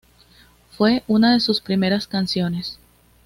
Fue una de sus primeras canciones.